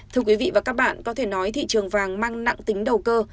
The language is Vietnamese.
thưa quý vị và các bạn có thể nói thị trường vàng mang nặng tính đầu cơ